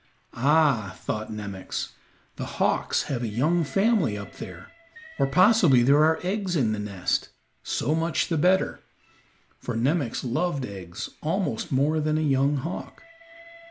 "Ah," thought Nemox, "the hawks have a young family up there, or possibly there are eggs in the nest; so much the better," for Nemox loved eggs almost more than a young hawk.